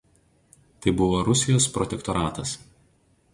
Tai buvo Rusijos protektoratas.